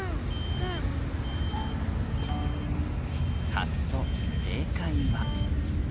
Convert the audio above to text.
たすとせいかいは。